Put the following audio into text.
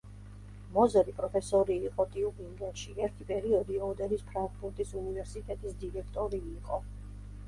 მოზერი პროფესორი იყო ტიუბინგენში, ერთი პერიოდი ოდერის ფრანკფურტის უნივერსიტეტის დირექტორი იყო.